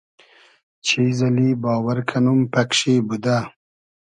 چیز اللی باوئر کئنوم پئگ شی بودۂ